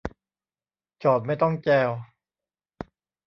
จอดไม่ต้องแจว